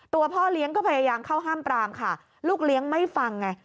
พ่อเลี้ยงก็พยายามเข้าห้ามปรามค่ะลูกเลี้ยงไม่ฟังไง